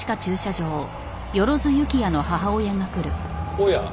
おや。